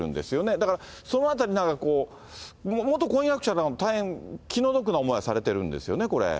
だから、そのあたり、なんか元婚約者の方、大変気の毒な思いをされてるんですよね、これ。